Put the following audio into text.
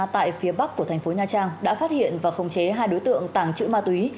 tại phía bắc của thành phố nha trang đã phát hiện và khống chế hai đối tượng tàng trữ ma túy